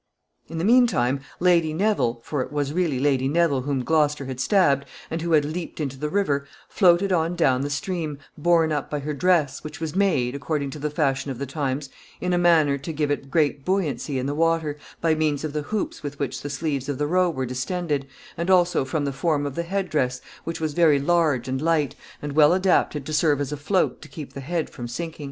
] In the mean time, Lady Neville, for it was really Lady Neville whom Gloucester had stabbed, and who had leaped into the river, floated on down the stream, borne up by her dress, which was made, according to the fashion of the times, in a manner to give it great buoyancy in the water, by means of the hoops with which the sleeves of the robe were distended, and also from the form of the head dress, which was very large and light, and well adapted to serve as a float to keep the head from sinking.